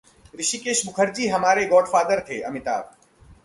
ऋषिकेश मुखर्जी हमारे गॉडफादर थे: अमिताभ